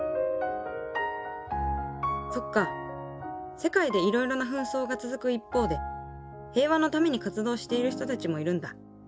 世界でいろいろな紛争が続く一方で平和のために活動している人たちもいるんだ。